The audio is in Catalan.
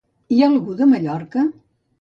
I algú de Mallorca?